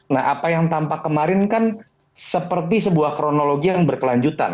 nah apa yang tampak kemarin kan seperti sebuah kronologi yang berkelanjutan